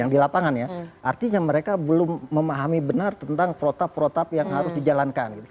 yang di lapangan ya artinya mereka belum memahami benar tentang protap protap yang harus dijalankan gitu